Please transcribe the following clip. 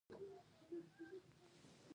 واوره د افغانستان د طبیعت د ښکلا یوه برخه ده.